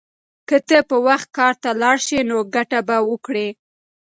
که ته په وخت کار ته لاړ شې نو ګټه به وکړې.